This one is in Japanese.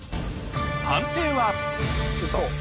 判定は？